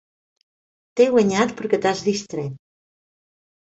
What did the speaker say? T'he guanyat perquè t'has distret.